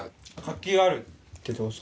活気がある。